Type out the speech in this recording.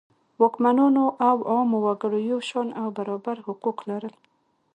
واکمنانو او عامو وګړو یو شان او برابر حقوق لرل.